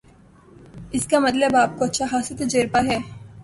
اس کا مطلب آپ کو اچھا خاصا تجربہ ہے